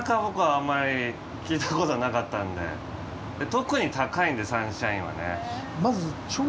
特に高いんでサンシャインはね。